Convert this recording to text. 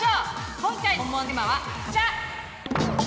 今回のモンモンテーマはこちら。